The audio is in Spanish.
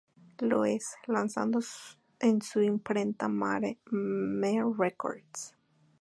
Louis, lanzado en su imprenta Mare Records.